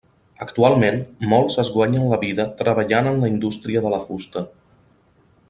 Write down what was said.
Actualment, molts es guanyen la vida treballant en la indústria de la fusta.